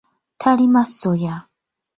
Talima soya.